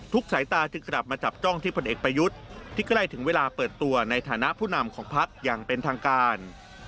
สายตาจึงกลับมาจับจ้องที่ผลเอกประยุทธ์ที่ใกล้ถึงเวลาเปิดตัวในฐานะผู้นำของพักอย่างเป็นทางการ